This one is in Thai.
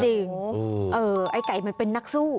ไอ้ไก่มันเป็นนักสู้